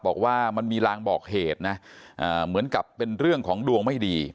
บอกว่ามันมีลางบอกเหตุนะเหมือนกับเป็นเรื่องของดวงไม่ดี